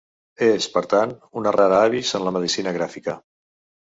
És, per tant, una rara avis en la medicina gràfica.